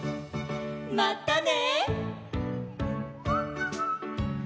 「またね」